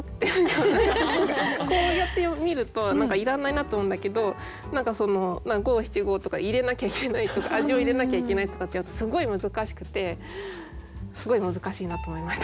こうやって見るといらないなと思うんだけど何かその五七五とか入れなきゃいけないとか味を入れなきゃいけないとかってすごい難しくてすごい難しいなと思いました。